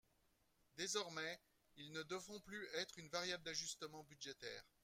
Désormais, ils ne devront plus être une variable d’ajustement budgétaire.